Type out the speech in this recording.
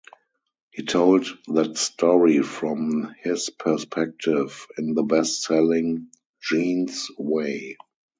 He told that story from his perspective in the best-selling "Jean's Way".